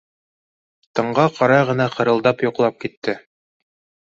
Таңға ҡарай ғына хырылдап йоҡлап китте.